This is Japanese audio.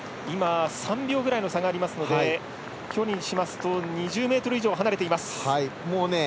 ３秒ぐらいの差がありますので距離にしますと２０ｍ以上離れています。